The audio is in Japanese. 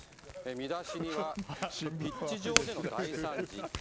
見出しには、ピッチ上での大惨事。